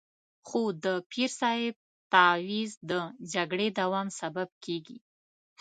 خو د پیر صاحب تعویض د جګړې دوام سبب کېږي.